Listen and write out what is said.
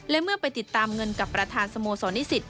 และเมื่อไปติดตามเงินกับประธานสโมสรนิสิต